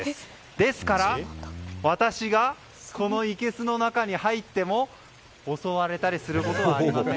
ですから、私がこのいけすの中に入っても襲われたりすることはありません。